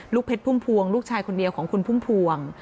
เพชรพุ่มพวงลูกชายคนเดียวของคุณพุ่มพวง